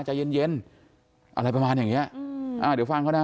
ใจเย็นเย็นอะไรประมาณอย่างเนี้ยอืมอ่าเดี๋ยวฟังเขานะ